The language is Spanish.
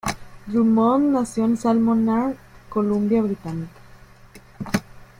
Drummond nació en Salmon Arm, Columbia Británica.